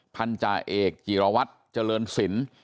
พันธาเอกจิรวัตรเจริญศิลป์